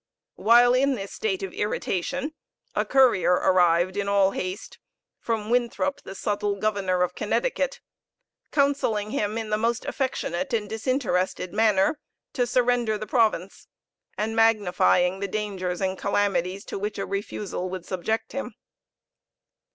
While in this state of irritation, a courier arrived in all haste from Winthrop, the subtle governor of Connecticut, counseling him, in the most affectionate and disinterested manner, to surrender the province, and magnifying the dangers and calamities to which a refusal would subject him.